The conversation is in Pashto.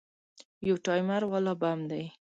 يو ټايمر والا بم دى.